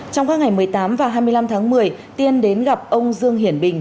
trong các ngày một mươi tám và hai mươi năm tháng một mươi tiên đến gặp ông dương hiển bình